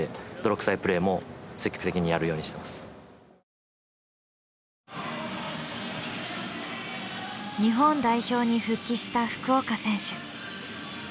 自分自身日本代表に復帰した福岡選手。